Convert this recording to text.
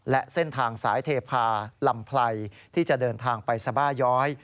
และเส้นทางสายเทพาลำไพรที่จะเดินทางไปสบาย้อย